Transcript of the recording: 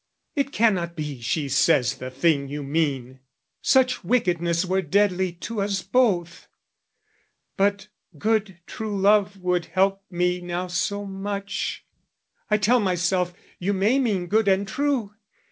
"It cannot be she says the thing you mean; "Such wickedness were deadly to us both: "But good true love would help me now so much "I tell myself, you may mean good and true.